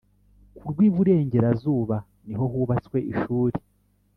ku rw iburengerazuba ni ho hubatswe ishuri